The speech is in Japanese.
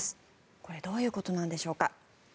これどういうことなのでしょうか。